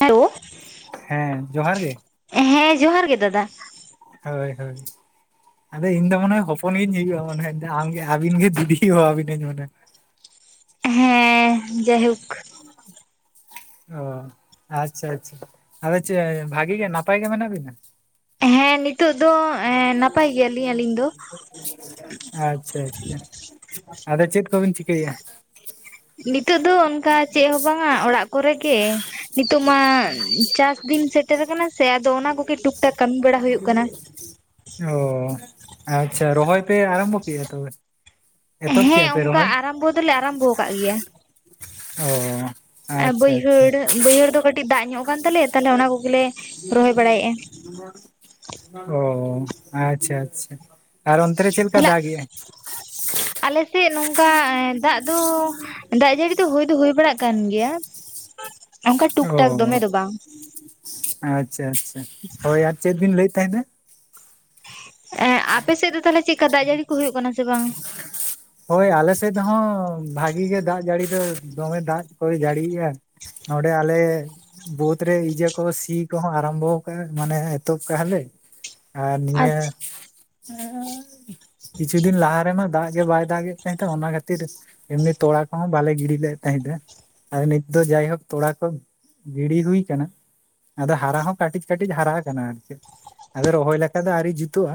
Hello ᱦᱮᱸ ᱡᱚᱦᱟᱨ ᱜᱮ, ᱦᱮᱸ ᱡᱚᱦᱟᱨ ᱜᱮ ᱫᱟᱫᱟ᱾ ᱦᱳᱭ ᱦᱳᱭ, ᱟᱫᱚ ᱤᱧ ᱫᱚ ᱢᱟᱱᱮ ᱦᱚᱯᱚᱱ ᱜᱤᱧ ᱦᱩᱭᱩᱜᱼᱟ ᱢᱟᱱᱮ ᱟᱢᱜᱮ ᱟᱹᱵᱤᱱ ᱜᱮ ᱫᱤᱫᱤ ᱦᱚᱦᱚ ᱟᱵᱤᱱᱟᱹᱧ ᱢᱟᱱᱮ ᱦᱮᱸ ᱡᱟᱭᱦᱳᱠ ᱚ ᱟᱪᱪᱷᱟ ᱟᱪᱪᱷᱟ, ᱟᱫᱚ ᱪᱮᱜ ᱵᱷᱟᱜᱮ ᱜᱮ ᱱᱟᱯᱟᱭ ᱜᱮ ᱢᱮᱱᱟᱜ ᱵᱤᱱᱟ? ᱦᱮᱸ ᱱᱤᱛᱚᱜ ᱫᱚ ᱱᱟᱯᱟᱭ ᱜᱮᱭᱟᱞᱤᱧ ᱟᱹᱞᱤᱧ ᱫᱚ [unintelligible] ᱟᱪᱪᱷᱟ ᱟᱪᱪᱷᱟ ᱟᱫᱚ ᱪᱮᱜ ᱠᱚᱵᱤᱱ ᱪᱤᱠᱟᱹᱭᱮᱜᱼᱟ? ᱱᱤᱛᱚᱜ ᱫᱚ ᱚᱱᱠᱟ ᱪᱮᱜ ᱦᱚᱸ ᱵᱟᱝᱟ ᱚᱲᱟᱜ ᱠᱚᱨᱮ ᱜᱮ᱾ ᱱᱤᱛᱚᱜ ᱢᱟ ᱪᱟᱥ ᱫᱤᱱ ᱥᱮᱴᱮᱨ ᱟᱠᱟᱱᱟ ᱥᱮ ᱟᱫᱚ ᱚᱱᱟ ᱠᱚᱜᱮ ᱴᱩᱠ ᱴᱟᱠ ᱠᱟᱹᱢᱤ ᱵᱟᱲᱟ ᱦᱩᱭᱩᱜ ᱠᱟᱱᱟ᱾ ᱚ ᱟᱪᱪᱷᱟ ᱨᱚᱦᱚᱭ ᱯᱮ ᱟᱨᱟᱢᱵᱷᱚ ᱠᱮᱜᱼᱟ ᱛᱚᱵᱮ? ᱮᱛᱚᱦᱚᱵ ᱦᱮᱸ ᱠᱮᱫᱼᱟ ᱯᱮ ᱚᱝᱠᱟ ᱨᱚᱦᱚᱭ ᱟᱨᱟᱢᱵᱷᱚ ᱫᱚᱞᱮ ᱟᱨᱟᱢᱵᱷᱚ ᱠᱟᱜ ᱜᱮᱭᱟ᱾ ᱚᱻ ᱟ ᱵᱟᱹᱭᱦᱟᱹᱲ ᱵᱟᱹᱭᱦᱟᱹᱲ ᱫᱚ ᱠᱟᱹᱴᱤᱜ ᱫᱟᱜᱽ ᱧᱚᱜ ᱠᱟᱱ ᱛᱟᱞᱮᱭᱟ ᱛᱟᱦᱚᱞᱮ ᱚᱱᱟ ᱠᱚᱜᱮᱞᱮ ᱨᱚᱦᱚᱭ ᱵᱟᱲᱟᱭᱮᱜᱼᱟ᱾ ᱚ ᱟᱪᱪᱷᱟ ᱟᱪᱪᱷᱟ ᱟᱨ ᱚᱱᱛᱮ ᱨᱮ ᱪᱮᱜ ᱞᱮᱠᱟ ᱛᱟᱦᱞᱮ ᱫᱟᱜᱮᱜᱼᱟᱭ? ᱟᱞᱮ ᱥᱮᱜ ᱱᱚᱝᱠᱟ ᱮᱸ ᱫᱟᱜᱽ ᱫᱚ ᱫᱟᱜᱽ ᱡᱟᱹᱲᱤ ᱫᱚ ᱦᱩᱭ ᱫᱚ ᱦᱩᱭ ᱵᱟᱲᱟᱜ ᱠᱟᱱ ᱜᱮᱭᱟ᱾ ᱚᱱᱠᱟ ᱴᱩᱠ ᱴᱟᱠ ᱚ ᱫᱚᱢᱮ ᱫᱚ ᱵᱟᱝ ᱟᱪᱪᱷᱟ ᱟᱪᱪᱷᱟ ᱦᱳᱭ ᱟᱨ ᱪᱮᱫ ᱵᱤᱱ ᱞᱟᱹᱭᱮᱜ ᱛᱟᱦᱮᱸᱱᱟ? ᱮᱸᱜ ᱟᱯᱮ ᱥᱮᱜ ᱫᱚ ᱛᱟᱷᱞᱮ ᱪᱮᱜ ᱞᱮᱠᱟ ᱫᱟᱜᱽ ᱡᱟᱹᱲᱤ ᱠᱚ ᱦᱩᱭᱩᱜ ᱠᱟᱱᱟ ᱥᱮ ᱵᱟᱝ? ᱦᱳᱭ ᱟᱞᱮ ᱥᱮᱫ ᱦᱚᱸ ᱵᱷᱟᱜᱤ ᱜᱮ ᱫᱟᱜᱽ ᱡᱟᱹᱲᱤ ᱫᱚ ᱫᱚᱢᱮ ᱫᱟᱜᱽ ᱠᱚᱭ ᱡᱟᱹᱲᱤᱭᱮᱜᱼᱟ᱾ ᱱᱚᱸᱰᱮ ᱟᱞᱮ, ᱵᱳᱫ ᱨᱮ ᱤᱡᱟᱹ ᱠᱚ ᱥᱤ ᱠᱚᱦᱚᱸ ᱟᱨᱟᱢᱵᱚ ᱟᱠᱟᱱᱟ ᱢᱟᱱᱮ ᱮᱛᱚᱵ ᱠᱟᱜ ᱞᱮ᱾ ᱟᱨ ᱱᱤᱭᱟᱹ ᱟᱪᱪᱷᱟ [inaudible] ᱠᱤᱪᱷᱩ ᱫᱤᱱ ᱞᱟᱦᱟ ᱨᱮᱢᱟ ᱫᱟᱜ ᱜᱮ ᱵᱟᱭ ᱫᱟᱜᱮᱜ ᱛᱟᱦᱮᱸᱫ ᱫᱚ ᱚᱱᱟ ᱠᱷᱟᱹᱛᱤᱨ ᱮᱢᱱᱤ ᱛᱚᱲᱟ ᱠᱚᱦᱚᱸ ᱵᱟᱞᱮ ᱜᱤᱰᱤ ᱞᱮᱫ ᱛᱟᱦᱮᱸᱫᱟ᱾ ᱟᱨ ᱱᱤᱛ ᱫᱚ ᱡᱟᱭᱦᱳᱠ ᱛᱚᱲᱟ ᱠᱚ ᱜᱤᱰᱤ ᱦᱩᱭ ᱠᱟᱱᱟ᱾ ᱟᱫᱚ ᱦᱟᱨᱟ ᱦᱚᱸ ᱠᱟᱹᱴᱤᱡ ᱠᱟᱹᱴᱤᱡ ᱦᱟᱨᱟ ᱠᱟᱱᱟ ᱟᱨᱠᱤ ᱾ ᱟᱫᱚ ᱨᱚᱦᱚᱭ ᱞᱮᱠᱟ ᱫᱚ ᱟᱹᱣᱨᱤ ᱡᱩᱛᱩᱜᱼᱟ᱾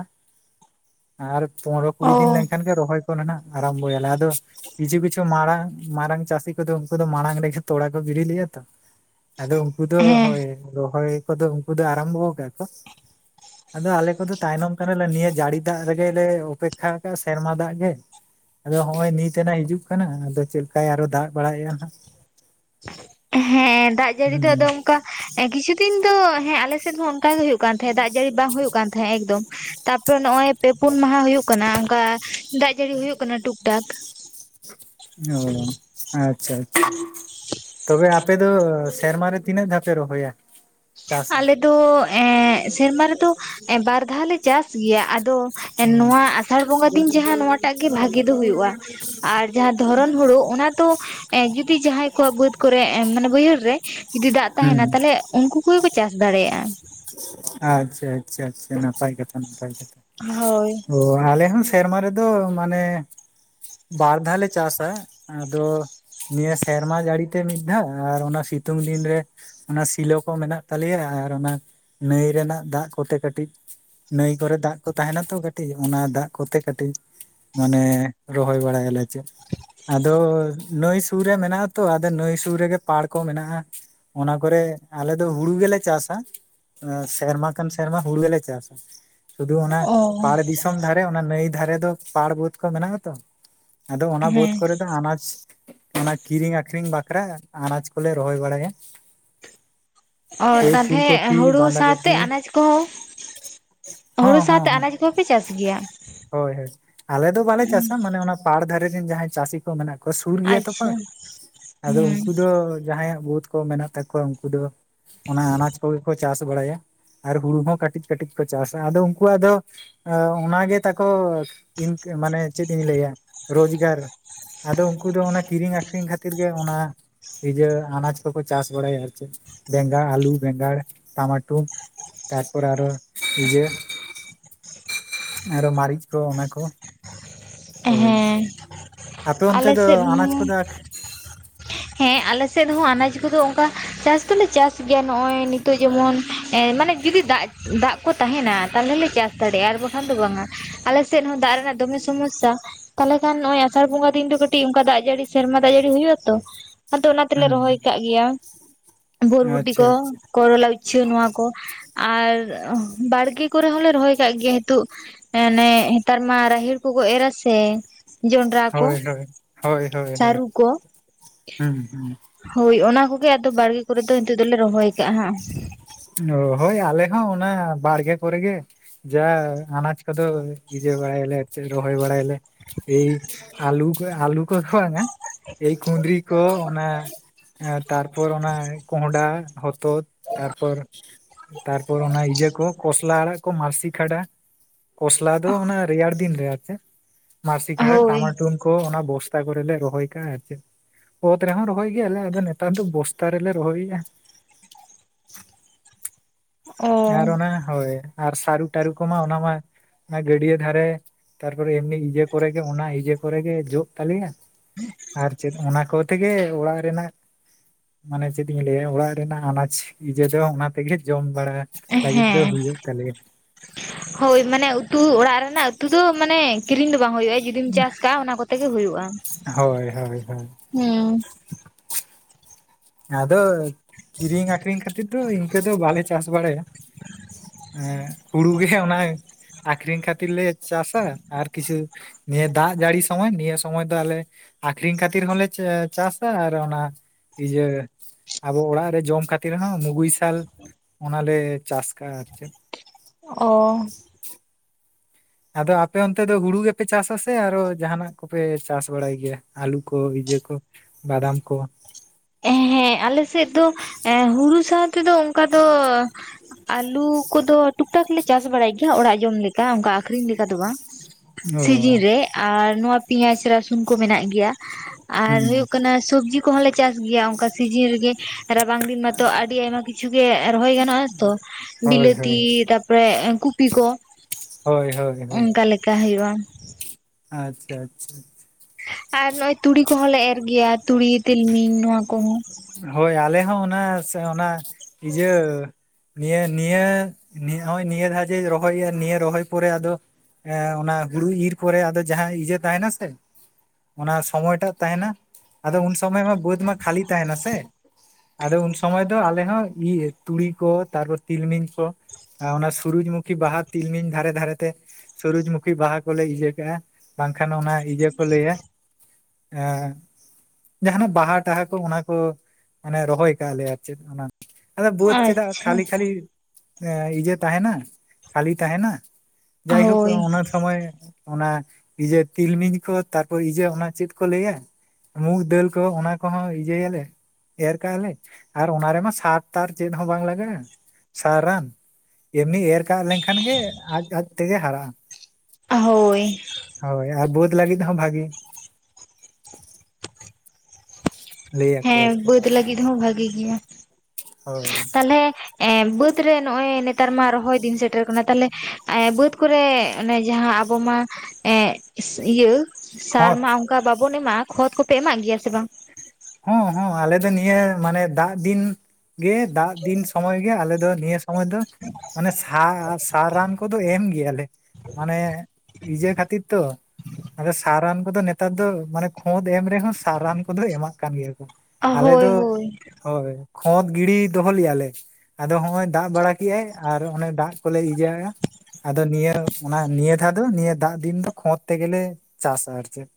ᱟᱨ ᱯᱚᱱᱨᱚ ᱠᱩᱲᱤ ᱫᱤᱱ ᱚ ᱞᱮᱱᱠᱷᱟᱱ ᱜᱮ ᱨᱚᱦᱚᱭ ᱠᱚᱫᱚ ᱱᱟᱜ ᱟᱨᱟᱢᱵᱚᱭ ᱟᱞᱮ ᱟᱫᱚ ᱠᱤᱪᱷᱩ ᱠᱤᱪᱷᱩ ᱢᱟᱲᱟᱝ ᱢᱟᱨᱟᱝ ᱪᱟᱹᱥᱤ ᱠᱚᱫᱚ ᱩᱱᱠᱩ ᱫᱚ ᱢᱟᱲᱟᱝ ᱨᱮᱜᱮ ᱛᱚᱲᱟ ᱠᱚ ᱜᱤᱰᱤ ᱞᱮᱜᱼᱟ ᱛᱚ ᱟᱫᱚ ᱩᱱᱠᱩ ᱫᱚ ᱦᱮᱸ ᱦᱳᱭ ᱨᱚᱦᱚᱭ ᱠᱚᱫᱚ ᱩᱱᱠᱩ ᱫᱚ ᱟᱨᱟᱢᱵᱚ ᱠᱟᱜᱼᱟ ᱠᱚ᱾ ᱟᱫᱚ ᱟᱞᱮ ᱠᱚᱫᱚ ᱛᱟᱭᱱᱚᱢ ᱠᱟᱱᱟᱞᱮ ᱱᱤᱭᱟᱹ ᱡᱟᱹᱲᱤ ᱫᱟᱜ ᱨᱮᱜᱮ ᱞᱮ ᱚᱯᱮᱠᱠᱷᱟ ᱟᱠᱟᱜᱼᱟ ᱥᱮᱨᱢᱟ ᱫᱟᱜ ᱜᱮ᱾ ᱟᱫᱚ ᱦᱚᱸᱜᱼᱚᱭ ᱱᱤᱛ ᱮᱱᱟᱜ ᱦᱤᱡᱩᱜ ᱠᱟᱱᱟ ᱟᱫᱚ ᱪᱮᱫ ᱞᱮᱠᱟᱭ ᱟᱨᱚ ᱫᱟᱜ ᱵᱟᱲᱟᱭᱼᱟ ᱦᱟᱸᱜ᱾ ᱦᱮᱸ, ᱫᱟᱜ ᱡᱟᱹᱲᱤ ᱫᱚ ᱦᱩᱸ ᱟᱫᱚ ᱚᱝᱠᱟ ᱮ ᱠᱤᱪᱷᱩ ᱫᱤᱱ ᱫᱚ ᱦᱮᱸ ᱟᱞᱮ ᱥᱮᱫ ᱦᱚᱸ ᱚᱱᱠᱟ ᱜᱮ ᱦᱩᱭᱩᱜ ᱠᱟᱱ ᱛᱟᱦᱮᱸᱜ ᱫᱟᱜ ᱡᱟᱹᱲᱤ ᱵᱟᱝ ᱦᱩᱭᱩᱜ ᱠᱟᱱ ᱛᱟᱦᱮᱸᱜ ᱮᱠᱫᱚᱢ ᱛᱟᱯᱚᱨᱮ ᱱᱚᱜᱼᱚᱭ ᱯᱮ ᱯᱩᱱ ᱢᱟᱦᱟ ᱦᱩᱭᱩᱜ ᱠᱟᱱᱟ ᱚᱱᱠᱟ ᱫᱟᱜ ᱡᱟᱹᱲᱤ ᱦᱩᱭᱩᱜ ᱠᱟᱱᱟ ᱴᱩᱠ ᱴᱟᱠ᱾ ᱚ ᱟᱪᱪᱷᱟ ᱟᱪᱪᱷᱟ, ᱛᱚᱵᱮ ᱟᱯᱮ ᱫᱚ ᱥᱮᱨᱢᱟ ᱨᱮ ᱛᱤᱱᱟᱹᱜ ᱫᱷᱟᱣ ᱯᱮ ᱨᱚᱦᱚᱭᱟ ᱪᱟᱥᱟ? ᱛᱚ ᱮᱸᱜ ᱥᱮᱨᱢᱟ ᱨᱮᱫᱚ ᱮᱸ ᱵᱟᱨ ᱫᱷᱟᱣ ᱞᱮ ᱪᱟᱥ ᱜᱮᱭᱟ ᱟᱫᱚ ᱚ ᱮᱱ ᱱᱚᱣᱟ ᱟᱥᱟᱲ ᱵᱚᱸᱜᱟ ᱫᱤᱱ ᱡᱟᱦᱟᱸ ᱱᱚᱣᱟᱴᱟᱜ ᱜᱮ ᱵᱷᱟᱜᱤ ᱫᱚ ᱦᱩᱭᱩᱜᱼᱟ ᱟᱨ ᱡᱟᱦᱟᱸ ᱫᱷᱚᱨᱚᱱ ᱦᱩᱲᱩ ᱚᱱᱟ ᱛᱚ ᱮᱸ ᱡᱩᱫᱤ ᱡᱟᱦᱟᱸᱭ ᱠᱚᱣᱟᱜ ᱵᱟᱹᱫᱽ ᱠᱚᱨᱮ ᱮᱸ ᱢᱟᱱᱮ ᱵᱟᱹᱭᱦᱟᱹᱲ ᱨᱮ ᱡᱩᱫᱤ ᱫᱟᱜ ᱦᱩᱸ ᱛᱟᱦᱮᱱᱟ ᱛᱟᱞᱦᱮ ᱩᱱᱠᱩ ᱠᱩ ᱜᱮᱠᱚ ᱪᱟᱥ ᱫᱟᱲᱮᱭᱟᱜᱼᱟ᱾ ᱟᱪᱪᱷᱟ ᱟᱪᱪᱷᱟ ᱟᱪᱪᱷᱟ, ᱱᱟᱯᱟᱭ ᱠᱟᱛᱷᱟ ᱱᱟᱯᱟᱭ ᱠᱟᱛᱷᱟ ᱦᱳᱭ ᱚ ᱟᱞᱮ ᱦᱚᱸ ᱥᱮᱨᱢᱟ ᱨᱮᱫᱚ ᱢᱟᱱᱮ ᱵᱟᱨ ᱫᱷᱟᱣ ᱞᱮ ᱪᱟᱥᱟ ᱟᱫᱚ ᱱᱤᱭᱟᱹ ᱥᱮᱨᱢᱟ ᱡᱟᱲᱤ ᱛᱮ ᱢᱤᱫ ᱫᱷᱟᱣ ᱟᱨ ᱚᱱᱟ ᱥᱤᱛᱩᱝ ᱫᱤᱱ ᱨᱮ ᱚᱱᱟ ᱥᱤᱞᱚ ᱠᱚ ᱢᱮᱱᱟᱜ ᱛᱟᱞᱮᱭᱟ ᱟᱨ ᱚᱱᱟ ᱱᱟᱹᱭ ᱨᱮᱱᱟᱜ ᱫᱟᱜ ᱠᱚᱛᱮ ᱠᱟᱹᱴᱤᱡ ᱱᱟᱹᱭ ᱠᱚᱨᱮ ᱫᱟᱜ ᱠᱚ ᱛᱟᱦᱮᱱᱟ ᱛᱚ ᱠᱟᱹᱴᱤᱡ ᱚᱱᱟ ᱫᱟᱜ ᱠᱚᱛᱮ ᱠᱟᱹᱴᱤᱡ ᱢᱟᱱᱮ ᱨᱚᱦᱚᱭ ᱵᱟᱲᱟᱭᱟᱞᱮ ᱪᱮ ᱟᱫᱚ ᱱᱟᱹᱭ ᱥᱩᱨ ᱨᱮ ᱢᱮᱱᱟᱜ ᱟᱛᱚ ᱟᱫᱚ ᱱᱟᱹᱭ ᱥᱩᱨ ᱨᱮᱜᱮ ᱯᱟᱲ ᱠᱚ ᱢᱮᱱᱟᱜᱼᱟ᱾ ᱚᱱᱟ ᱠᱚᱨᱮ ᱟᱞᱮ ᱫᱚ ᱦᱩᱲᱩ ᱜᱮᱞᱮ ᱪᱟᱥᱟ᱾ ᱮᱸ ᱥᱮᱨᱢᱟ ᱠᱟᱱ ᱥᱮᱨᱢᱟ ᱦᱩᱲᱩ ᱜᱮᱞᱮ ᱪᱟᱥᱟ ᱥᱩᱫᱩ ᱚᱱᱟ ᱚ ᱯᱟᱲ ᱫᱤᱥ ᱛᱚᱢ ᱫᱷᱟᱨᱮ ᱚᱱᱟ ᱱᱟᱹᱭ ᱫᱷᱟᱨᱮ ᱫᱚ ᱯᱟᱲ ᱵᱟᱹᱫ ᱠᱚ ᱢᱮᱱᱟᱜ ᱟᱛᱚ ᱟᱫᱚ ᱚᱱᱟ ᱵᱟᱹᱫ ᱦᱮᱸ ᱠᱚᱨᱮ ᱫᱚ ᱟᱱᱟᱪ ᱚᱱᱟ ᱠᱤᱨᱤᱧ ᱟᱠᱷᱨᱤᱧ ᱵᱟᱠᱷᱨᱟ ᱟᱱᱟᱪ ᱠᱚᱞᱮ ᱨᱚᱦᱚᱭ ᱵᱟᱲᱟᱭᱟ᱾ ᱚ ᱳᱭ ᱯᱷᱩᱞ ᱛᱟᱞᱦᱮ ᱠᱚᱯᱤ ᱦᱩᱲᱩ ᱵᱟᱸᱫᱷᱟ ᱥᱟᱶᱛᱮ ᱠᱚᱯᱤ ᱟᱱᱟᱪ ᱠᱚᱦᱚᱸ ᱦᱚᱸ ᱦᱩᱲᱩ ᱦᱚᱸ ᱥᱟᱶᱛᱮ ᱦᱚᱸ ᱟᱱᱟᱪ ᱠᱚᱦᱚᱸ ᱯᱮ ᱪᱟᱥ ᱜᱮᱭᱟ ᱦᱳᱭ ᱦᱳᱭ ᱟᱞᱮ ᱫᱚ ᱵᱟᱞᱮ [inaudible] ᱩᱸ ᱪᱟᱥᱟ ᱢᱟᱱᱮ ᱚᱱᱟ ᱯᱟᱲ ᱫᱷᱟᱨᱮ ᱨᱮᱱ ᱡᱟᱦᱟᱸᱭ ᱪᱟᱹᱥᱤ ᱠᱚ ᱢᱮᱱᱟᱜ ᱠᱚᱣᱟ, ᱥᱩᱨ ᱜᱮᱭᱟ ᱛᱚ ᱟᱪᱪᱷᱟ ᱯᱟᱲ ᱟᱫᱚ ᱦᱩᱸ ᱩᱱᱠᱩ ᱫᱚ ᱡᱟᱦᱟᱸᱭ ᱟᱜ ᱵᱩᱫ ᱠᱚ ᱢᱮᱱᱟᱜ ᱛᱟᱠᱚᱣᱟ ᱩᱱᱠᱩ ᱫᱚ ᱚᱱᱟ ᱟᱱᱟᱪ ᱠᱚᱜᱮ ᱠᱚ ᱪᱟᱥ ᱵᱟᱲᱟᱭᱟ᱾ ᱟᱨ ᱦᱩᱲᱩ ᱦᱚᱸ ᱠᱟᱹᱴᱤᱡ ᱠᱟᱹᱴᱤᱡ ᱠᱚ ᱪᱟᱥ ᱟ ᱟᱫᱚ ᱩᱱᱠᱩᱣᱟᱜ ᱫᱚ ᱚᱱᱟᱜᱮ ᱛᱟᱠᱚ ᱢᱟᱱᱮ ᱪᱮᱫ ᱤᱧ ᱞᱟᱹᱭᱟ ᱨᱚᱡᱽᱜᱟᱲ ᱟᱫᱚ ᱩᱱᱠᱩ ᱫᱚ ᱚᱱᱟ ᱠᱤᱨᱤᱧ ᱟᱠᱷᱟᱨᱤᱧ ᱠᱷᱟᱹᱛᱤᱨ ᱜᱮ ᱚᱱᱟ ᱤᱭᱟᱹ ᱟᱱᱟᱪ ᱠᱚᱠᱚ ᱪᱟᱥ ᱵᱟᱲᱟᱭᱟ ᱟᱨ ᱪᱮᱫ ᱵᱮᱸᱜᱟ ᱟᱹᱞᱩ ᱵᱮᱸᱜᱟᱲ ᱴᱟᱢᱟᱴᱩ ᱛᱟᱨᱯᱚᱨᱮ ᱟᱨᱚ ᱤᱭᱟᱹ ᱟᱨᱚ ᱢᱟᱨᱤᱡ ᱠᱚ ᱚᱱᱟ ᱠᱚ᱾ ᱦᱳᱭ, ᱦᱮᱸ ᱟᱯᱮ ᱚᱱᱛᱮ ᱟᱞᱮ ᱫᱚ ᱥᱮᱫ ᱟᱱᱟᱪ ᱦᱚᱸ ᱠᱚᱫᱚ ᱟᱠᱷ ᱦᱮᱸ ᱟᱞᱮᱥᱮᱫ ᱦᱚᱸ ᱟᱱᱟᱪ ᱠᱚᱫᱚ ᱚᱱᱠᱟ ᱪᱟᱥ ᱱᱤᱛᱚᱜ ᱞᱮ ᱪᱟᱥ ᱜᱮᱭᱟ ᱱᱚᱜᱼᱚᱭ ᱱᱤᱛᱚᱜ ᱡᱮᱢᱚᱱ ᱢᱟᱱᱮ ᱡᱩᱫᱤ ᱫᱟᱜ ᱫᱟᱜ ᱠᱚ ᱛᱟᱦᱮᱱᱟ ᱛᱟᱦᱚᱞᱮ ᱪᱟᱥ ᱫᱟᱲᱮᱭᱟᱜᱼᱟ ᱟᱨ ᱵᱟᱠᱷᱟᱱ ᱫᱚ ᱵᱟᱝᱟ ᱟᱞᱮ ᱥᱮᱫ ᱦᱚᱸ ᱫᱟᱜ ᱨᱮᱱᱟᱜ ᱫᱚᱢᱮ ᱥᱚᱢᱚᱥᱟ᱾ ᱛᱟᱦᱚᱞᱮ ᱠᱷᱟᱱ ᱱᱚᱜ-ᱚᱭ ᱟ. ᱥᱟᱲ ᱵᱚᱸᱜᱟ ᱫᱤᱱ ᱫᱚ ᱠᱟᱹᱴᱤᱡ ᱚᱱᱠᱟ ᱫᱟᱜ ᱡᱟᱹᱲᱤ ᱥᱮᱨᱢᱟ ᱫᱟᱜ ᱡᱟᱹᱲᱤ ᱦᱩᱭᱩᱜ-ᱟ ᱛᱚ? ᱟᱫᱚ ᱚᱱᱟ ᱛᱮᱞᱮ ᱦᱩᱸ ᱨᱚᱦᱚᱭ ᱠᱟᱜ ᱜᱮᱭᱟ ᱵᱷᱚᱨᱵᱩᱴᱤ ᱟᱪᱪᱷᱟ ᱠᱚ᱾ ᱟᱪᱪᱷᱟ ᱠᱚᱨᱚᱞᱟ ᱩᱪᱪᱷᱟᱹ ᱱᱚᱣᱟ ᱠᱚ ᱟᱨ ᱵᱟᱲᱜᱮ ᱠᱚᱨᱮ ᱦᱚᱞᱮ ᱨᱚᱦᱚᱭ ᱠᱟᱫ ᱜᱮᱭᱟ ᱱᱤᱛᱚᱜ, ᱮᱱᱮ ᱦᱮᱸᱛᱟᱨ ᱢᱟ ᱨᱟᱦᱮᱲ ᱠᱚᱠᱚ ᱮ. ᱨᱟ ᱥᱮ? ᱡᱚᱱᱰᱨᱟ ᱦᱳᱭ ᱠᱚ ᱦᱳᱭ ᱥᱟᱹᱨᱩ ᱠᱚ᱾ ᱦᱩᱸ ᱦᱩᱸ, ᱦᱳᱭ ᱚᱱᱟ ᱠᱚᱜᱮ ᱟᱫᱚ ᱵᱟᱲᱜᱮ ᱠᱚᱨᱮ ᱫᱚ ᱱᱤᱛᱚᱜ ᱫᱚᱞᱮ ᱨᱚᱦᱚᱭ ᱟᱠᱟᱜ ᱦᱟᱸᱜ᱾ ᱚ ᱦᱳᱭ ᱟᱞᱮ ᱦᱚᱸ ᱚᱱᱟ ᱵᱟᱲᱜᱮ ᱠᱚᱨᱮ ᱜᱮ᱾ ᱡᱟ ᱟᱱᱟᱪ ᱠᱚᱫᱚ ᱤᱭᱟᱹ ᱵᱟᱲᱟᱭᱟᱞᱮ ᱨᱚᱦᱚᱭ ᱵᱟᱲᱟᱭᱟᱞᱮ᱾ ᱮᱭ ᱟᱞᱩ ᱠᱚ ᱟᱞᱩ ᱠᱚᱫᱚ ᱵᱟᱝ-ᱟ ᱮᱭ ᱠᱩᱸᱫᱽᱨᱤ ᱠᱚ ᱚᱱᱟ, ᱛᱟᱨᱯᱚᱨ ᱚᱱᱟ ᱠᱚᱸᱦᱚᱸᱰᱟ ᱦᱚᱛᱚᱫᱽ᱾ ᱛᱟᱨᱯᱚᱨ, ᱛᱟᱨᱯᱚᱨ ᱚᱱᱟ ᱤᱭᱟᱹ ᱠᱚ ᱠᱚᱥᱞᱟ ᱟᱲᱟᱝ ᱠᱚ ᱢᱟᱨᱥᱤ ᱠᱷᱟᱰᱟ᱾ ᱠᱚᱥᱞᱟ ᱫᱚ ᱚᱱᱟ ᱨᱮᱭᱟᱲ ᱫᱤᱱ ᱨᱮ ᱟᱪᱪᱷᱟ, ᱢᱟᱨᱥᱤ ᱠᱷᱟᱰᱟ ᱦᱳᱭ ᱴᱟᱢᱟᱴᱩᱱ᱾ ᱠᱚ ᱚᱱᱟ ᱵᱚᱥᱛᱟ ᱠᱚᱨᱮ ᱞᱮ ᱨᱚᱦᱚᱭ ᱠᱟᱜ-ᱟ ᱟᱨ ᱪᱮᱫ? ᱚᱛ ᱨᱮᱦᱚᱸ ᱨᱚᱦᱚᱭ ᱜᱮᱭᱟᱞᱮ ᱟᱫᱚ ᱱᱮᱛᱟᱨ ᱫᱚ ᱵᱚᱥᱛᱟ ᱨᱮᱞᱮ ᱨᱚᱦᱚᱭ ᱮᱜ-ᱟ᱾ ᱚ ᱟᱨ ᱚᱱᱟ ᱦᱳᱭ, ᱟᱨ ᱥᱟᱹᱨᱩ ᱴᱟᱺᱨᱩ ᱠᱚᱢᱟ ᱚᱱᱟ ᱢᱟ, ᱚᱱᱟ ᱜᱟᱹᱰᱭᱟᱹ ᱫᱷᱟᱨᱮ ᱛᱟᱨᱯᱚᱨᱮ ᱮᱢᱱᱤ ᱤᱭᱟᱹ ᱠᱚᱨᱮᱜᱮ ᱚᱱᱟ ᱤᱭᱟᱹ ᱠᱚᱨᱮ ᱜᱮ ᱡᱚᱜ ᱛᱟᱞᱮᱭᱟ᱾ ᱟᱨ ᱪᱮᱫ ᱚᱱᱟ ᱠᱚ ᱛᱮᱜᱮ ᱚᱲᱟᱜ ᱨᱮᱱᱟᱜ᱾ ᱢᱟᱱᱮ ᱪᱮᱫ ᱤᱧ ᱞᱟᱹᱭᱟ ᱚᱲᱟᱜ ᱨᱮᱱᱟᱜ ᱟᱱᱟᱪ ᱤᱭᱟᱹ ᱫᱚ ᱚᱱᱟᱛᱮᱜᱮ ᱡᱚᱢ ᱵᱟᱲᱟ ᱞᱟᱹᱜᱤᱫ ᱫᱚ ᱦᱮᱸ, ᱦᱩᱭᱩᱜ ᱛᱟᱞᱮᱭᱟ ᱦᱳᱭ ᱢᱟᱱᱮ ᱩ ᱩᱛᱩ ᱚᱲᱟᱜ ᱨᱮᱱᱟᱜ ᱩᱛᱩ ᱫᱚ ᱢᱟᱱᱮ ᱠᱤᱨᱤᱧ ᱫᱚ ᱵᱟᱝ ᱦᱩᱭᱩᱜᱼᱟ ᱡᱩᱫᱤᱢ ᱪᱟᱥ ᱠᱟᱜ-ᱟ ᱚᱱᱟ ᱠᱚᱛᱮ ᱜᱮ ᱦᱩᱭᱩᱜᱼᱟ᱾ ᱦᱚᱭ ᱦᱚᱭ ᱦᱚᱭ᱾ ᱦᱮᱸ, ᱟᱫᱚ ᱠᱤ. ᱨᱤᱧ ᱟ. ᱠᱷᱨᱤᱧ ᱠᱷᱟᱹᱛᱤᱨ ᱫᱚ ᱤᱱᱠᱟᱹ ᱫᱚ ᱵᱟᱞᱮ ᱪᱟᱥ ᱵᱟᱲᱟᱭᱟ᱾ ᱮᱸᱜ ᱦᱩᱲᱩ ᱜᱮ ᱚᱱᱟ, ᱟᱠᱷᱨᱤᱧ ᱠᱷᱟᱛᱤᱨ ᱞᱮ ᱪᱟᱥ ᱟ ᱟᱨ ᱠᱤᱪᱷᱩ ᱱᱤᱭᱟᱹ ᱫᱟᱜ ᱡᱟᱹᱲᱤ ᱥᱚᱢᱚᱭ ᱱᱤᱭᱟᱹ, ᱥᱚᱢᱚᱭ ᱫᱚ ᱟᱞᱮ ᱟᱠᱷᱨᱤᱧ ᱠᱷᱟᱛᱤᱨ ᱦᱚᱸᱞᱮ ᱪᱟᱥᱟ ᱟᱨ ᱚᱱᱟ ᱤᱭᱟᱹ ᱟᱵᱚ ᱚᱲᱟᱜ ᱨᱮ ᱡᱚᱢ ᱠᱷᱟᱹᱛᱤᱨ ᱨᱮᱦᱚᱸ ᱱᱩᱵᱩᱭ ᱥᱟᱞ ᱚᱱᱟᱞᱮ ᱪᱟᱥ ᱠᱟᱜ-ᱟ ᱟᱨ ᱪᱮᱫ? ᱚ, ᱟᱫᱚ ᱟᱯᱮ ᱚᱱᱛᱮ ᱫᱚ ᱦᱩᱲᱩ ᱜᱮᱯᱮ ᱪᱟᱥ ᱟ ᱥᱮ ᱟᱨᱦᱚ ᱡᱟᱦᱟᱱᱟᱜ ᱠᱚᱯᱮ ᱪᱟᱥ ᱵᱟᱲᱟᱭ ᱜᱮᱭᱟ ᱟᱞᱩ ᱠᱚ ᱤᱭᱟᱹ ᱠᱚ? ᱵᱟᱫᱟᱢ ᱠᱚ᱾ ᱦᱮᱸ ᱟᱞᱮ ᱥᱮᱫ ᱫᱚ ᱮᱸ ᱦᱩᱲᱩ ᱥᱟᱸᱶ ᱛᱮᱫᱚ ᱚᱱᱠᱟ ᱫᱚ ᱟᱞᱩ ᱠᱚᱫᱚ ᱴᱩᱠ ᱴᱟᱠ ᱞᱮ ᱪᱟᱥ ᱵᱟᱲᱟᱭ ᱜᱮᱭᱟ ᱚᱲᱟᱜ ᱡᱚᱢ ᱞᱮᱠᱟ ᱚᱱᱠᱟ ᱟᱠᱷᱨᱤᱧ ᱞᱮᱠᱟ ᱫᱚ ᱵᱟᱝ᱾ ᱚ ᱥᱤᱡᱤᱱ ᱨᱮ ᱟᱨ ᱱᱚᱣᱟ ᱯᱮᱸᱭᱟᱡ ᱨᱟᱹᱥᱩᱱ ᱠᱚ ᱢᱮᱱᱟᱜ ᱜᱮᱭᱟ᱾ ᱟᱨ ᱦᱩᱸ ᱦᱳᱭᱳᱜ ᱠᱟᱱᱟ ᱥᱚᱵᱡᱤ ᱠᱚᱦᱚᱸᱞᱮ ᱪᱟᱥ ᱜᱮᱭᱟ ᱚᱱᱠᱟ ᱥᱤᱡᱤᱱ ᱨᱮᱜᱮ ᱨᱟᱵᱟᱝ ᱫᱤᱱ ᱢᱟᱛᱚ ᱟᱹᱰᱤ ᱟᱭᱢᱟ ᱠᱤᱪᱷᱩ ᱜᱮ ᱨᱚᱦᱚᱭ ᱜᱟᱱᱚᱜᱼᱟᱛᱚ᱾ ᱦᱳᱭ ᱵᱤᱞᱟᱹᱛᱤ ᱦᱳᱭ ᱛᱟᱯᱚᱨᱮ ᱠᱩᱯᱤ ᱠᱚ᱾ ᱦᱳᱭ ᱦᱳᱭ ᱦᱳᱭ᱾ ᱪᱮᱠᱟ ᱦᱩᱭᱩᱜᱼᱟ? ᱟᱪᱪᱷᱟ ᱟᱪᱪᱷᱟ᱾ ᱟᱨ ᱱᱚᱜᱚᱭ ᱛᱩᱲᱤ ᱠᱚᱦᱚᱸᱞᱮ ᱮᱨ ᱜᱮᱭᱟ ᱛᱩᱲᱤ ᱛᱤᱞᱢᱤᱧ ᱱᱚᱣᱟ ᱠᱚᱦᱚᱸ᱾ ᱦᱳᱭ ᱟᱞᱮ ᱦᱚᱸ ᱚᱱᱟ ᱚᱱᱟ ᱤᱭᱟᱹ ᱱᱤᱭᱟᱹ ᱱᱤᱭᱟᱹᱦᱚᱸᱜ-ᱚᱭ ᱱᱤᱭᱟᱹ ᱫᱷᱟᱣ ᱡᱮ ᱨᱚᱦᱚᱭᱟ ᱱᱤᱭᱟᱹ ᱨᱚᱦᱚᱭ ᱯᱚᱨᱮ ᱟᱫᱚ, ᱮ ᱚᱱᱟ ᱦᱩᱲᱩ ᱤᱨ ᱯᱚᱨᱮ ᱟᱫᱚ ᱡᱟᱦᱟᱸ ᱤᱭᱟᱹ ᱛᱟᱦᱮᱱᱟ ᱥᱮ? ᱚᱱᱟ ᱥᱚᱢᱚᱭ ᱴᱟᱜ ᱛᱟᱸᱦᱮᱱᱟ, ᱟᱫᱚ ᱩᱱ ᱥᱚᱢᱚᱭ ᱢᱟ ᱵᱟᱹᱫᱽ ᱢᱟ ᱠᱷᱟᱹᱞᱤ ᱛᱟᱸᱦᱮᱱᱟ ᱥᱮ ᱾ ᱟᱫᱚ ᱩᱱ ᱥᱚᱢᱚᱭ ᱫᱚ ᱟᱞᱮ ᱦᱚᱸ ᱤᱭᱟᱹ ᱛᱩᱲᱤ ᱠᱚ ᱛᱟᱨᱯᱚᱨ ᱛᱤᱞᱢᱤᱧ ᱠᱚ, ᱼᱼ ᱟᱨ ᱚᱱᱟ ᱥᱩᱨᱩᱡᱽᱢᱩᱠᱷᱤ ᱵᱟᱦᱟ ᱛᱤᱞᱢᱤᱧ ᱫᱷᱟᱨᱮ ᱫᱷᱟᱨᱮᱛᱮ ᱥᱩᱨᱩᱡᱽᱢᱩᱠᱷᱤ ᱵᱟᱦᱟ ᱠᱚᱞᱮ ᱤᱭᱟᱹ ᱠᱟᱜᱼᱟ ᱾ ᱵᱟᱝᱠᱷᱟᱱ ᱚᱱᱟ ᱤᱭᱟᱹ ᱠᱚ ᱞᱟᱹᱭᱟ, ᱮᱼᱼ ᱡᱟᱸᱦᱱᱟᱜ ᱵᱟᱦᱟ ᱴᱟᱦᱟ ᱠᱚ ᱚᱱᱟ ᱠᱚ, ᱢᱟᱱᱮ ᱨᱚᱦᱚᱭ ᱠᱟᱜ ᱞᱮ ᱟᱨ ᱪᱮᱫ ᱚᱱᱟ ᱾ ᱟᱫᱚ ᱵᱟᱹᱫᱽ ᱪᱮᱫᱟᱜ ᱟᱪᱪᱷᱟ ᱠᱷᱟᱞᱤ ᱠᱷᱟᱹᱞᱤᱼᱼ ᱤᱭᱟᱹ ᱤᱭᱟᱹ ᱛᱟᱸᱦᱮᱱᱟ ᱠᱷᱟᱞᱤ ᱛᱟᱸᱦᱮᱱᱟ ᱡᱟᱭᱦᱳᱠ ᱦᱳᱭ ᱚᱱᱟ ᱥᱚᱢᱚᱭᱼᱼ ᱚᱱᱟ ᱤᱭᱟᱹ ᱛᱤᱞᱢᱤᱧ ᱠᱚ ᱛᱟᱨᱯᱚᱨ ᱤᱭᱟᱹ ᱚᱱᱟ ᱪᱮᱫ ᱠᱚ ᱞᱟᱹᱭᱟ ᱢᱩᱠ ᱫᱟᱹᱞᱼᱼ ᱠᱚ ᱚᱱᱟ ᱠᱚᱦᱚᱸ ᱤᱭᱟᱹᱭᱟᱞᱮ ᱾ ᱮᱨ ᱠᱟᱜᱼᱟᱞᱮ ᱟᱨ ᱚᱱᱟ ᱨᱮᱢᱟ ᱥᱟᱨ ᱛᱟᱨ ᱪᱮᱫ ᱦᱚᱸ ᱵᱟᱝ ᱞᱟᱜᱟᱜᱼᱟ, ᱥᱟᱨ ᱨᱟᱱᱼᱼ ᱮᱢᱱᱤ ᱮᱨ ᱠᱟᱜ ᱞᱮᱱᱠᱷᱟᱱ ᱜᱮ ᱟᱡ ᱟᱡ ᱛᱮᱜᱮ ᱦᱟᱨᱟᱜᱼᱟ ᱦᱳᱭ ᱾ ᱦᱳᱭ ᱼᱼ ᱟᱨ ᱵᱟᱹᱫᱽ ᱞᱟᱜᱤᱫ ᱦᱚᱸ ᱵᱷᱟᱜᱤ ᱾ [unintelligible] ᱞᱟᱹᱭᱟᱠᱚ ᱦᱮᱸ ᱟᱨ ᱪᱮᱫ ᱵᱟᱹᱫᱽ ᱞᱟᱹᱜᱤᱫ ᱦᱚᱸ ᱵᱷᱟᱜᱤ ᱜᱮᱭᱟ, ᱦᱳᱭ ᱛᱟᱞᱦᱮᱼᱼ ᱮᱸ ᱵᱟᱹᱫᱽ ᱨᱮ ᱱᱚᱜ ᱚᱚᱭ ᱱᱮᱛᱟᱨ ᱢᱟ ᱨᱚᱦᱚᱭ ᱫᱤᱱ ᱥᱮᱴᱮᱨ ᱟᱠᱟᱱᱟ, ᱛᱟᱦᱞᱮ ᱮ ᱵᱟᱹᱫᱽ ᱠᱚᱨᱮ ᱡᱟᱦᱟᱸᱼᱼ ᱟᱵᱚ ᱢᱟ ᱮ ᱤᱭᱟᱹᱼᱼ ᱥᱟᱨ ᱠᱷᱚᱛ ᱢᱟ ᱚᱱᱠᱟ ᱵᱟᱵᱚᱱ ᱮᱢᱟᱜᱼᱟ, ᱠᱷᱚᱛ ᱠᱚᱯᱮ ᱮᱢᱟᱜ ᱜᱮᱭᱟ ᱥᱮ ᱵᱟᱝ? ᱦᱚᱸ ᱦᱚᱸ ᱟᱞᱮ ᱫᱚ ᱱᱤᱭᱟᱹ ᱢᱟᱱᱮ ᱫᱟᱜ ᱫᱤᱱ ᱜᱮ ᱫᱟᱜ ᱫᱤᱱ ᱥᱚᱢᱚᱭ ᱜᱮ ᱟᱞᱮ ᱫᱚ ᱱᱤᱭᱟᱹ ᱥᱚᱢᱚᱭᱼᱼ ᱢᱟᱱᱮ ᱥᱟ ᱥᱟᱨ ᱨᱟᱱ ᱠᱚᱫᱚ ᱮᱢ ᱜᱮᱭᱟᱞᱮ ᱢᱟᱱᱮ‌ᱼᱼ ᱵᱤᱡᱮ ᱠᱷᱟᱹᱛᱤᱨ ᱛᱚ ᱼᱼ ᱟᱫᱚ ᱥᱟᱨ ᱨᱟᱱ ᱠᱚᱫᱚ ᱱᱮᱛᱟᱨ ᱫᱚ ᱢᱟᱱᱮ ᱠᱷᱳᱫᱽ ᱮᱢ ᱨᱮᱦᱚᱸ ᱥᱟᱨ ᱨᱟᱱ ᱠᱚᱫᱚ ᱮᱢᱟᱜᱼᱟ ᱾ ᱠᱟᱱ ᱜᱮᱭᱟ ᱠᱚ, ᱟᱞᱮ ᱦᱳᱭ ᱫᱚᱼᱼ ᱦᱳᱭ ᱦᱳᱭ ᱠᱷᱚᱫᱽ ᱜᱤᱲᱤ ᱫᱚᱦᱚ ᱞᱮᱭᱟ ᱞᱮ, ᱟᱫᱚ ᱦᱚᱸᱜᱼᱚᱭ ᱫᱟᱜ ᱵᱟᱲᱟ ᱠᱮᱫ ᱟᱭ ᱟᱨ ᱚᱱᱮ ᱫᱟᱜ ᱠᱚᱞᱮᱼᱼ ᱠᱮᱭᱟ, ᱟᱫᱚ ᱱᱤᱭᱟᱹ ᱨᱟᱼᱼ ᱚᱱᱟ ᱱᱤᱭᱟᱹ ᱫᱷᱟᱣ ᱫᱚ ᱱᱤᱭᱟᱹ ᱫᱟᱜ ᱫᱤᱱ ᱫᱚ ᱠᱷᱚᱫᱽ ᱛᱮᱜᱮᱞᱮ ᱪᱟᱥᱟ ᱟᱨ ᱪᱮᱫ ᱾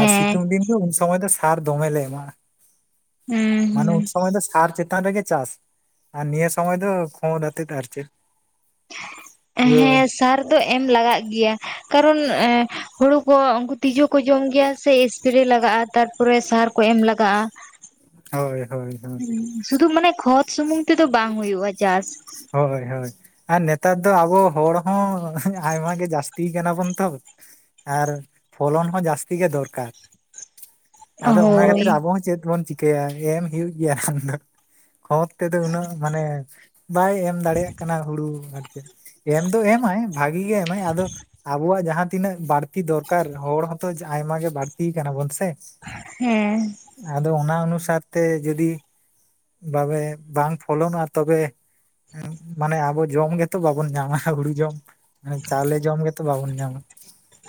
ᱟᱨ ᱥᱤᱛᱩᱝ ᱫᱤᱱ ᱫᱚ ᱩᱱ ᱥᱚᱢᱚᱭ ᱫᱚ ᱥᱟᱨ ᱫᱚᱢᱮ ᱞᱮ ᱮᱢᱟᱜᱼᱟ ᱦᱩᱸ ᱾ ᱢᱟᱱᱮ ᱩᱱ ᱥᱚᱢᱚᱭ ᱫᱚ ᱥᱟᱨ ᱪᱮᱛᱟᱱ ᱨᱮᱜᱮ ᱪᱟᱥ ᱾ ᱟᱨ ᱱᱤᱭᱟᱹ ᱥᱚᱢᱚᱭ ᱫᱚ ᱠᱷᱳᱫᱽ ᱫᱟᱛᱮᱛ ᱟᱨ ᱪᱮᱫ ᱾ ᱦᱮᱸ ᱥᱟᱨ ᱫᱚ ᱮᱢ ᱞᱟᱜᱟᱜ ᱜᱮᱭᱟ ᱾ ᱠᱟᱨᱚᱱ ᱮᱸ ᱦᱩᱲᱩ ᱠᱚ ᱛᱤᱡᱩ ᱠᱚ ᱡᱚᱢ ᱜᱮᱭᱟ ᱥᱮ ᱮᱥᱯᱨᱮ ᱞᱟᱜᱟᱜᱼᱟ ᱾ ᱛᱟᱨ ᱯᱚᱨᱮ ᱥᱟᱨ ᱠᱚ ᱮᱢ ᱞᱟᱜᱟᱜᱼᱟ ᱾ ᱦᱳᱭ ᱦᱳᱭ ᱦᱳᱭ ᱾ ᱦᱩᱸ ᱥᱩᱫᱷᱩ ᱢᱟᱱᱮ ᱠᱷᱚᱫᱽ ᱥᱩᱢᱩᱝ ᱛᱮᱫᱚ ᱵᱟᱝ ᱦᱩᱭᱩᱜᱼᱟ ᱪᱟᱥ ᱾ ᱦᱚᱭ ᱦᱚᱭ ᱾ ᱟᱨ ᱱᱮᱛᱟᱨ ᱫᱚ ᱟᱵᱚ ᱦᱚᱲ ᱦᱚᱸ ᱟᱭᱢᱟ ᱜᱮ ᱡᱟᱹᱥᱛᱤ ᱠᱟᱱᱟ ᱵᱚᱱ ᱛᱚ ᱾ ᱟᱨ ᱯᱷᱚᱞᱚᱱ ᱦᱚᱸ ᱡᱟᱹᱥᱛᱤ ᱜᱮ ᱫᱚᱨᱠᱟᱨ ᱾ ᱟᱫᱚ ᱚᱱᱟ ᱦᱳᱭ ᱠᱷᱟᱹᱛᱤᱨ ᱟᱵᱚ ᱦᱚᱸ ᱪᱮᱫ ᱵᱚᱱ ᱪᱤᱠᱟᱹᱭᱟ, ᱮᱢ ᱦᱩᱭᱩᱜ ᱜᱮᱭᱟ ᱠᱷᱚᱫᱽ ᱾ ᱛᱮᱫᱚ ᱩᱱᱟᱹᱜ ᱢᱟᱱᱮ ᱵᱟᱭ ᱮᱢ ᱫᱟᱲᱮᱭᱟᱜ ᱠᱟᱱᱟ ᱦᱩᱲᱩ, ᱟᱨ ᱪᱮᱫ ᱮᱢ ᱫᱚ ᱮᱢᱟᱭ ᱾ ᱵᱷᱟᱜᱤ ᱜᱮ ᱮᱢᱟᱭ, ᱟᱫᱚ ᱟᱵᱚᱣᱟᱜ ᱡᱟᱦᱟᱸ ᱛᱤᱱᱟᱹᱜ ᱵᱟᱹᱲᱛᱤ ᱫᱚᱨᱠᱟᱨ ᱦᱚᱲ ᱦᱚᱸ ᱛᱚᱼᱼ ᱟᱭᱢᱟ ᱜᱮ ᱵᱟᱹᱲᱛᱤ ᱠᱟᱱᱟ ᱵᱚᱱ ᱥᱮ ᱾ ᱦᱮᱸ ᱾ ᱟᱫᱚ ᱚᱱᱟ ᱚᱱᱩᱥᱟᱨ ᱛᱮ ᱡᱚᱫᱤ ᱵᱟᱵᱟ ᱵᱟᱝᱼᱼ ᱯᱷᱚᱞᱚᱱᱚᱜᱼᱟ ᱛᱚᱵᱮ, ᱢᱟᱱᱮ ᱟᱵᱚ ᱡᱚᱢ ᱜᱮᱛᱚ ᱵᱟᱵᱚᱱ ᱧᱟᱢᱟ ᱦᱩᱲᱩ ᱡᱚᱢ ᱾ ᱢᱟᱱᱮ ᱪᱟᱣᱞᱮ ᱡᱚᱢ ᱜᱮᱛᱚ ᱵᱟᱵᱚᱱ ᱧᱟᱢᱟ ᱾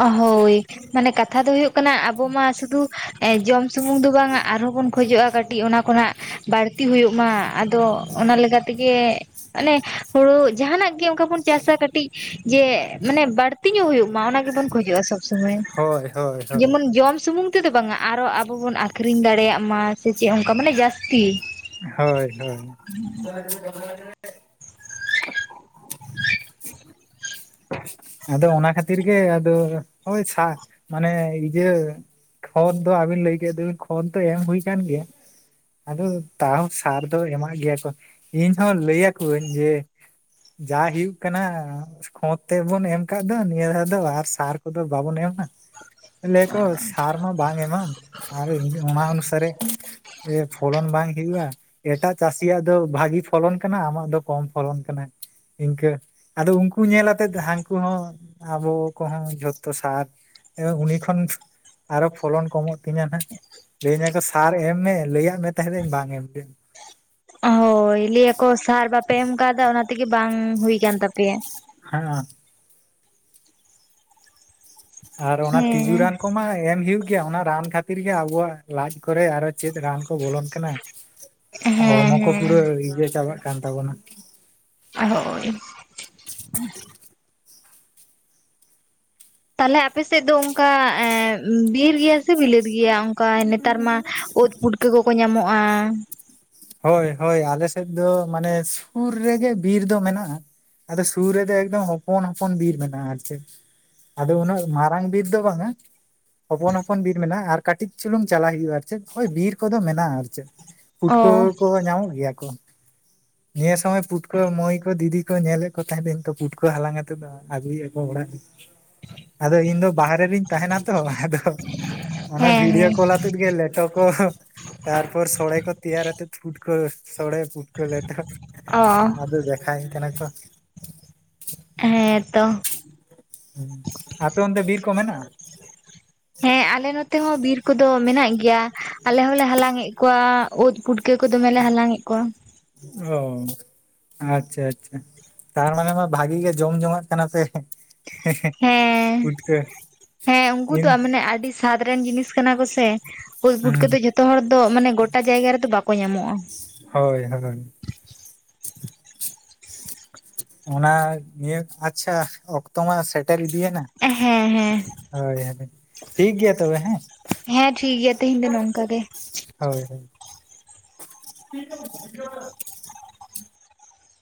ᱚᱸ ᱦᱳᱭ ᱢᱟᱱᱮ ᱠᱟᱛᱷᱟ ᱫᱚ ᱦᱩᱭᱩᱜ ᱠᱟᱱᱟ ᱟᱵᱚ ᱢᱟ ᱥᱩᱫᱷᱩ ᱡᱚᱢ ᱥᱩᱢᱩᱝ ᱫᱚ ᱵᱟᱝᱟ ᱼᱼ ᱟᱨᱦᱚᱸ ᱵᱚᱱ ᱠᱷᱚᱡᱚᱜᱼᱟ ᱠᱟᱹᱴᱤᱡ ᱚᱱᱟ ᱠᱷᱚᱱᱟᱜ ᱵᱟᱹᱲᱛᱤ ᱦᱳᱭᱳᱜ ᱢᱟ ᱟᱫᱚ ᱚᱱᱟ ᱞᱮᱠᱟ ᱛᱮᱜᱮᱼᱼ ᱟᱱᱮ ᱦᱩᱲᱩ ᱡᱟᱦᱟᱱᱟᱜ ᱜᱮ ᱚᱱᱠᱟ ᱵᱚᱱ ᱪᱟᱥᱟ ᱠᱟᱹᱴᱤᱡ ᱡᱮ ᱢᱟᱱᱮ ᱵᱟᱹᱲᱛᱤ ᱧᱚᱜ ᱦᱳᱭᱳᱜ ᱢᱟ᱾ ᱠᱷᱚᱡᱚᱜ-ᱟ ᱥᱚᱵ ᱥᱚᱢᱚᱭ ᱦᱳᱭ ᱦᱳᱭ ᱦᱳᱭ ᱡᱮᱢᱚᱱ ᱡᱚᱢ ᱥᱩᱢᱩᱝᱼᱼ ᱛᱤ ᱫᱚ ᱵᱟᱝᱟ ᱟᱨᱚ ᱟᱵᱚᱵᱚᱱ ᱟᱹᱠᱷᱨᱤᱧ ᱫᱟᱲᱮᱭᱟᱜ ᱢᱟ ᱥᱮ ᱪᱮᱫ ᱚᱱᱠᱟ ᱢᱟᱱᱮ ᱡᱟᱹᱥᱛᱤ, ᱦᱳᱭ ᱦᱳᱭ᱾ [unintelligible] ᱟᱫᱚ ᱚᱱᱟ ᱠᱷᱟᱹᱛᱤᱨ ᱜᱮ ᱟᱫᱚ ᱳᱭ ᱥᱟ ᱢᱟᱱᱮ ᱤᱭᱟᱹ᱾ ᱠᱷᱚᱛ ᱫᱚ ᱟᱵᱤᱱ ᱞᱟᱹᱭ ᱠᱮᱫ ᱫᱚᱵᱤᱱ ᱠᱷᱚᱛ ᱫᱚ ᱮᱢ ᱦᱩᱭ ᱠᱟᱱ ᱜᱮᱭᱟ ᱟᱫᱚᱼᱼ ᱛᱟᱣ ᱥᱟᱨ ᱫᱚ ᱮᱢᱟᱜ ᱜᱮᱭᱟ ᱠᱚ ᱤᱧ ᱦᱚᱸ ᱞᱟᱹᱭᱟᱠᱚᱣᱟᱧ ᱡᱮ, ᱡᱟ ᱦᱩᱭᱩᱜ ᱠᱟᱱᱟᱼᱼ ᱠᱷᱚᱛ ᱛᱮᱵᱚᱱ ᱮᱢ ᱟᱠᱟᱫ ᱫᱚ ᱱᱤᱭᱟᱹ ᱫᱷᱟᱣ ᱫᱚ ᱟᱨ ᱥᱟᱨ ᱠᱚᱫᱚ ᱵᱟᱵᱚᱱ ᱮᱢᱟᱼᱼ ᱞᱮ ᱠᱚ ᱥᱟᱨ ᱢᱟ ᱵᱟᱝ ᱮᱢᱟ, ᱟᱨ ᱚᱱᱟ ᱚᱱᱩᱥᱟᱨᱮ ᱯᱷᱚᱞᱚᱱ ᱵᱟᱝᱼᱼ ᱦᱩᱭᱩᱜᱼᱟ ᱮᱴᱟᱜ ᱪᱟᱹᱥᱤᱭᱟᱜ ᱫᱚ ᱵᱷᱟᱜᱤ ᱯᱷᱚᱞᱚᱱ ᱠᱟᱱᱟ ᱟᱢᱟᱜ ᱫᱚ ᱠᱚᱢ ᱯᱷᱚᱞᱚᱱ ᱠᱟᱱᱟ᱾ ᱤᱱᱠᱟᱹ ᱟᱫᱚ ᱩᱱᱠᱩ ᱧᱮᱞ ᱟᱛᱮᱜ ᱦᱟᱹᱱᱠᱩ ᱦᱚᱸ ᱟᱵᱚ ᱠᱚᱦᱚᱸ ᱡᱷᱚᱛᱚ ᱥᱟᱨᱼᱼ ᱮ ᱩᱱᱤ ᱠᱷᱚᱱ ᱟᱨᱚ ᱯᱷᱚᱞᱚᱱ ᱠᱚᱢᱚᱜ ᱛᱤᱧᱟᱹ ᱱᱟᱦᱟᱜ ᱾ ᱞᱟᱹᱭᱟᱹᱧᱟᱹ ᱠᱚ ᱥᱟᱨ ᱮᱢ ᱢᱮ ᱞᱟᱹᱭ ᱟᱫ ᱢᱮ ᱛᱟᱦᱮᱸᱫᱟᱹᱧ ᱵᱟᱝ ᱮᱢ ᱞᱮᱫ᱾ ᱦᱳᱭ ᱞᱟᱹᱭ ᱟᱠᱚ ᱥᱟᱨ ᱵᱟᱯᱮ ᱮᱢ ᱠᱟᱣᱫᱟ ᱚᱱᱟ ᱛᱮᱜᱮ ᱵᱟᱝ ᱦᱩᱭ ᱠᱟᱱᱟ ᱛᱟᱯᱮᱭᱟ᱾ ᱦᱮᱸᱜ ᱮ [inaudible] ᱟᱨ ᱚᱱᱟ ᱛᱤᱡᱩ ᱦᱮᱸ ᱨᱟᱱ ᱠᱚᱢᱟ ᱮᱢ ᱦᱩᱭᱩᱜᱼᱼ ᱜᱤᱭᱟ ᱚᱱᱟ ᱨᱟᱱ ᱠᱷᱟᱹᱛᱤᱨ ᱜᱮ ᱟᱵᱚᱣᱟᱜ ᱞᱟᱡ ᱠᱚᱨᱮ ᱟᱨᱚ ᱪᱮᱫ ᱨᱟᱱ ᱠᱚ ᱵᱚᱞᱚᱱ ᱠᱟᱱᱟ᱾ ᱦᱮᱸ ᱦᱚᱲᱢᱚ ᱠᱚ ᱦᱮᱸ ᱯᱩᱨᱟᱹ ᱤᱭᱟᱹ ᱪᱟᱵᱟᱜ ᱠᱟᱱ ᱛᱟᱵᱚᱱᱟ᱾ ᱟ ᱦᱳᱭ᱾ ᱛᱟᱦᱚᱞᱮ ᱟᱯᱮᱥᱮᱫ ᱫᱚ ᱚᱱᱠᱟ ᱮ ᱵᱤᱨ ᱜᱮᱭᱟ ᱥᱮ ᱵᱤᱞᱟᱹᱛ ᱜᱮᱭᱟ? ᱚᱱᱠᱟ ᱱᱮᱛᱟᱨ ᱢᱟ ᱳᱫ ᱯᱩᱴᱠᱟᱹ ᱠᱚᱠᱚ ᱧᱟᱢᱚᱜᱼᱟ᱾ ᱦᱳᱭ ᱦᱳᱭ ᱟᱞᱮ ᱥᱮᱫ ᱫᱚ ᱢᱟᱱᱮ ᱥᱩᱨ ᱨᱮᱜᱮ ᱵᱤᱨ ᱫᱚ ᱢᱮᱱᱟᱜᱼᱟ᱾ ᱟᱫᱚ ᱥᱩᱨ ᱨᱮᱫᱚ ᱮᱠᱫᱚᱢ ᱦᱚᱯᱚᱱ ᱦᱚᱯᱚᱱ ᱵᱤᱨ ᱢᱮᱱᱟᱜᱼᱟ ᱟᱨ ᱪᱮᱫ᱾ ᱟᱫᱚ ᱩᱱᱟᱹᱜ ᱢᱟᱨᱟᱝ ᱵᱤᱫ ᱫᱚ ᱵᱟᱝ-ᱟ᱾ ᱦᱚᱯᱚᱱ ᱦᱚᱯᱚᱱ ᱵᱤᱨ ᱢᱮᱱᱟᱜᱼᱟ ᱟᱨ ᱠᱟᱹᱴᱤᱡ ᱪᱩᱞᱩᱝ ᱪᱟᱞᱟᱜ ᱦᱩᱭᱩᱜᱼᱟ ᱟᱨ ᱪᱮᱫ ᱳᱭ ᱵᱤᱨ ᱠᱚᱫᱚ ᱢᱮᱱᱟᱜᱼᱟ ᱟᱨ ᱪᱮᱫ᱾ ᱚ [unintelligible] ᱠᱚ ᱧᱟᱢᱚᱜ ᱜᱮᱭᱟ ᱠᱚ᱾ ᱱᱮᱥ ᱦᱚᱸ ᱯᱩᱴᱠᱟᱹ ᱢᱟᱹᱭ ᱠᱚ ᱫᱤᱫᱤ ᱠᱚ ᱧᱮᱞᱮᱫ ᱠᱚ ᱛᱟᱦᱮᱸᱫᱟᱹᱧ ᱛᱚ ᱯᱩᱴᱠᱟᱹ ᱦᱟᱞᱟᱝ ᱟᱛᱮᱫ ᱫᱚ᱾ ᱟᱹᱜᱩᱭᱟᱠᱚ ᱚᱲᱟᱜ ᱟᱫᱚ ᱤᱧ ᱫᱚ ᱵᱟᱦᱨᱮ ᱨᱤᱧ ᱛᱟᱦᱮᱱᱟ ᱛᱚ ᱟᱫᱚ᱾ ᱚᱱᱟ ᱦᱮᱸ ᱵᱷᱤᱰᱭᱳ ᱦᱮᱸ ᱠᱚᱞ ᱟᱛᱮ ᱜᱮ ᱞᱮᱴᱚ ᱠᱚ ᱛᱟᱨᱯᱚᱨ ᱥᱚᱲᱮ ᱠᱚᱼᱼ ᱛᱮᱭᱟᱨ ᱟᱛᱮᱫ ᱯᱩᱴᱠᱟᱹ ᱥᱚᱲᱮ ᱯᱩᱴᱠᱟᱹ ᱞᱮᱴᱚ ᱚ ᱟᱫᱚ ᱫᱮᱠᱷᱟᱣᱟᱹᱧ ᱠᱟᱱᱟ ᱠᱚ᱾ ᱦᱮᱸ ᱛᱚ᱾ ᱟᱯᱮ ᱚᱱᱛᱮ ᱵᱤᱨ ᱠᱚ ᱢᱮᱱᱟᱜᱼᱟ? ᱦᱮᱸ ᱟᱞᱮ ᱱᱚᱛᱮ ᱦᱚᱸ ᱵᱤᱨ ᱠᱚᱫᱚ ᱢᱮᱱᱟᱜ ᱜᱮᱭᱟ ᱟᱞᱮ ᱦᱚᱸᱞᱮ ᱦᱟᱞᱟᱝ ᱮᱫ ᱠᱚᱣᱟᱼᱼ ᱳᱫ ᱯᱩᱴᱠᱟᱹ ᱠᱚ ᱫᱚᱢᱮᱞᱮ ᱦᱟᱞᱟᱝᱮᱫ ᱠᱚᱣᱟ᱾ ᱚᱻ ᱟᱪᱪᱷᱟ ᱟᱪᱪᱷᱟ ᱛᱟᱨ ᱢᱟᱱᱮ ᱢᱟ ᱵᱷᱟᱜᱤ ᱜᱮ ᱡᱚᱢ ᱡᱚᱝᱟᱜ ᱠᱟᱱᱟ ᱯᱮ᱾ ᱦᱮᱸ ᱠᱩᱴᱠ ᱦᱮᱸ ᱩᱱᱠᱩ ᱫᱚ [unintelligible] ᱢᱟᱱᱮ ᱟᱹᱰᱤ ᱥᱟᱫ ᱨᱮᱱ ᱡᱤᱱᱤᱥ ᱠᱟᱱᱟ ᱠᱚᱥᱮ ᱩᱫ ᱯᱩᱴᱠᱟᱹ ᱦᱩᱸ ᱫᱚ ᱡᱷᱚᱛᱚ ᱦᱚᱲ ᱫᱚ ᱢᱟᱱᱮ ᱜᱚᱴᱟ ᱡᱟᱭᱜᱟ ᱨᱮᱫᱚ ᱵᱟᱠᱚ ᱧᱟᱢᱚᱜᱼᱟ᱾ ᱦᱳᱭ ᱦᱳᱭ᱾ ᱚᱱᱟ ᱱᱤᱭᱟᱹ ᱟᱪᱪᱷᱟ ᱚᱠᱛᱚ ᱢᱟ ᱥᱮᱴᱮᱨ ᱤᱫᱤᱭᱮᱱᱟ᱾ ᱦᱮᱸ ᱦᱮᱸ᱾ ᱦᱳᱭ ᱦᱳᱭ ᱴᱷᱤᱠ ᱜᱮᱭᱟ ᱛᱚᱵᱮ ᱦᱮᱸ ᱦᱮᱸ ᱴᱷᱤ ᱜᱮᱭᱟ ᱛᱮᱦᱮᱧ ᱫᱚ ᱱᱚᱝᱠᱟ ᱜᱮ ᱾ ᱦᱳᱭ ᱦᱳᱭ, [unintelligible]